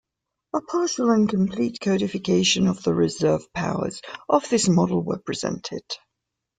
A partial and complete codification of the reserve powers of this model were presented.